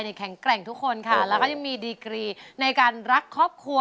แข็งแกร่งทุกคนค่ะแล้วก็ยังมีดีกรีในการรักครอบครัว